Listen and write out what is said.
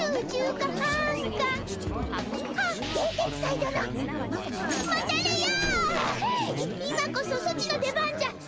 い今こそソチの出番じゃ。